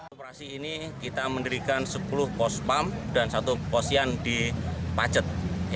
operasi ini kita mendirikan sepuluh pos pam dan satu posian di pacet